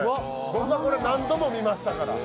僕はこれ、何度も見ましたから。